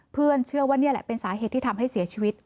เชื่อว่านี่แหละเป็นสาเหตุที่ทำให้เสียชีวิต